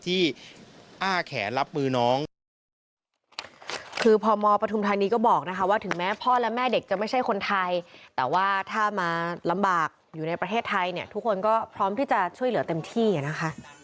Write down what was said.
ที่อ้าแขนรับปืนน้อง